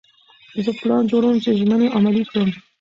زه پلان جوړوم چې ژمنې عملي کړم.